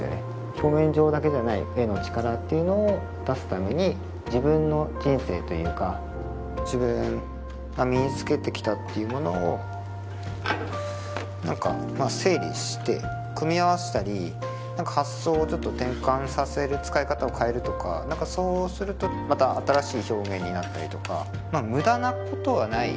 表現上だけじゃない絵の力っていうのを出すために自分の人生というか自分が身につけてきたっていうものを何かまあ整理して組み合わせたり何か発想を転換させる使い方を変えるとか何かそうするとまた新しい表現になったりとかまあムダなことはない